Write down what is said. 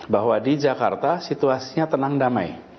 bahwa di jakarta situasinya tenang damai